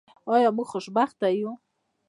آیا موږ خوشبخته یو؟